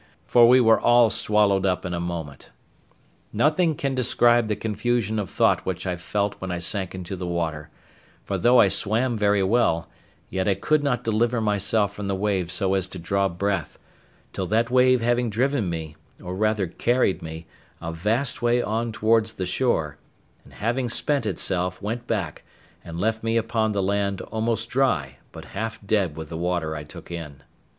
for we were all swallowed up in a moment. Nothing can describe the confusion of thought which I felt when I sank into the water; for though I swam very well, yet I could not deliver myself from the waves so as to draw breath, till that wave having driven me, or rather carried me, a vast way on towards the shore, and having spent itself, went back, and left me upon the land almost dry, but half dead with the water I took in.